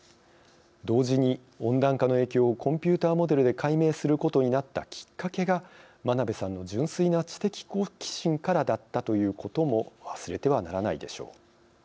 同時に、温暖化の影響をコンピューターモデルで解明することになったきっかけが真鍋さんの純粋な知的好奇心からだったということも忘れてはならないでしょう。